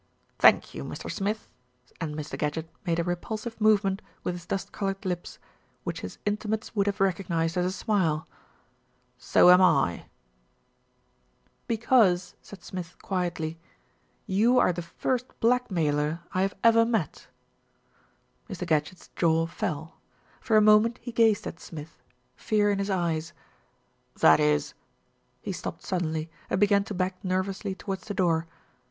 "Thank you, Mr. Smith," and Mr. Gadgett made a repulsive movement with his dust coloured lips, which his intimates would have recognised as a smile. "So am I." 252 THE RETURN OF ALFRED "Because," said Smith quietly, "you are the first blackmailer I have ever met." Mr. Gadgett's jaw fell. For a moment he gazed at Smith, fear in his eyes. "That is " He stopped suddenly, and began to back nervously towards the door.